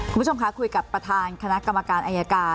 คุณผู้ชมคะคุยกับประธานคณะกรรมการอายการ